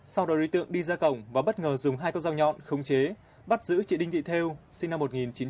sau đó đối tượng đi ra cổng và bất ngờ dùng hai con dao nhọn không chế bắt giữ chị đinh thị thêu sinh năm một nghìn chín trăm chín mươi bảy